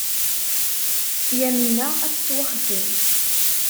Yamina ad tettwaxeyyeb.